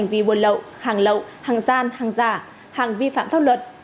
hành vi buôn lậu hàng lậu hàng gian hàng giả hàng vi phạm pháp luật